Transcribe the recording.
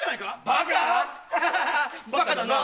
バカだな！